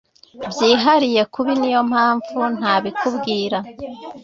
byihariye kubi niy mpamvu ntabikubwira